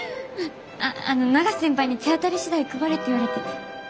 あっあの永瀬先輩に「手当たり次第配れ」って言われてて。